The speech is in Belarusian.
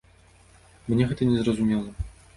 Мне гэта не зразумела.